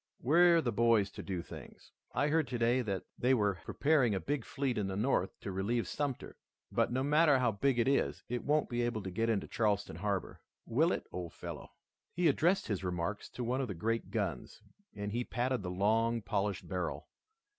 "We're the boys to do things. I heard today that they were preparing a big fleet in the North to relieve Sumter, but no matter how big it is, it won't be able to get into Charleston harbor. Will it, old fellow?" He addressed his remarks to one of the great guns, and he patted the long, polished barrel.